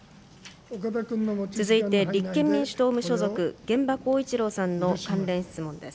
続いて立憲民主党・無所属、玄葉光一郎さんの関連質問です。